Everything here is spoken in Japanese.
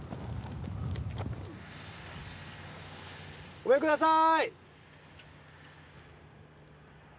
ごめんください！